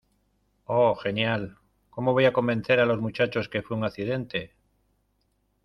Oh, genial. ¿ cómo voy a convencer a los muchachos que fue un accidente?